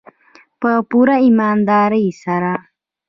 په پوره ایمانداري سره.